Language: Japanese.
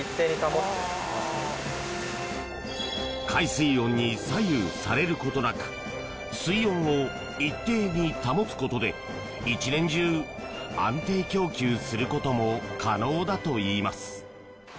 海水温に左右されることなく水温を一定に保つことで１年中、安定供給することも可能だといいます。